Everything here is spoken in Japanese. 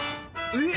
えっ！